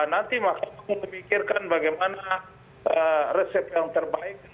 nanti mahkamah agung memikirkan bagaimana resep yang terbaik